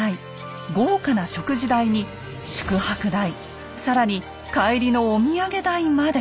豪華な食事代に宿泊代更に帰りのお土産代まで。